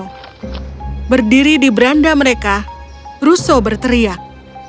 mereka berdiri di beranda dia russo berteriak